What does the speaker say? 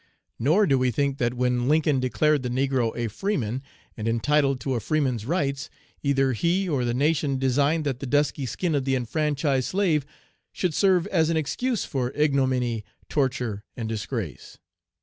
Nor do we think that when Lincoln declared the negro a freeman, and entitled to a freeman's rights, either he or the nation designed that the dusky skin of the enfranchised slave should serve as an excuse for ignominy, torture, and disgrace.